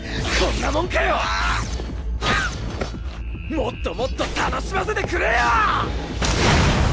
もっともっと楽しませてくれよ！